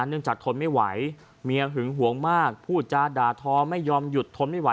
เนื่องจากทนไม่ไหวเมียหึงหวงมากพูดจาด่าทอไม่ยอมหยุดทนไม่ไ